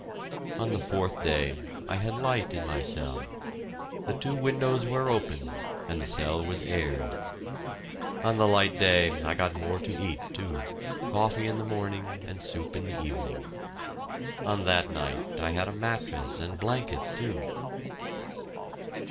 On the fourth day I had light in my cell. The two windows were opened and the cell was aired. On the light day I got more to eat, too, coffee in the morning, and soup in the evening. On that night I had a mattress and blankets, too.